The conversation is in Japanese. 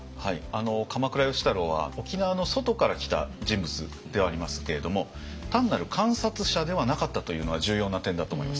鎌倉芳太郎は沖縄の外から来た人物ではありますけれども単なる観察者ではなかったというのは重要な点だと思います。